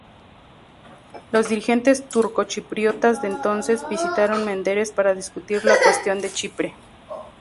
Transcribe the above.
Los dirigentes turcochipriotas de entonces, visitaron Menderes para discutir la cuestión de Chipre.